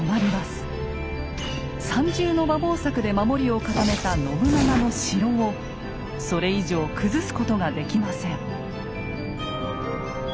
３重の馬防柵で守りを固めた信長の「城」をそれ以上崩すことができません。